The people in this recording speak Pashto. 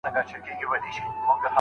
ماهر دروغ نه وو ويلي.